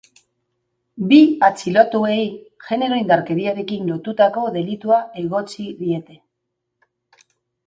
Bi atxilotuei genero-indarkeriarekin lotutako delitua egotzi diete.